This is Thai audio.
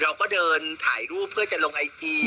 เราก็เดินถ่ายรูปเพื่อจะลงไอจี